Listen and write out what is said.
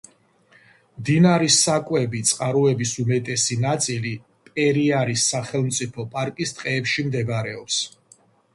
მდინარის საკვები წყაროების უმეტესი ნაწილი პერიარის სახელმწიფო პარკის ტყეებში მდებარეობს.